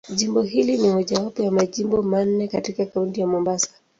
Jimbo hili ni mojawapo ya Majimbo manne katika Kaunti ya Mombasa.